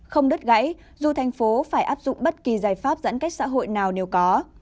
không đứt gãy dù thành phố phải áp dụng bất kỳ giải pháp giãn cách xã hội nào nếu có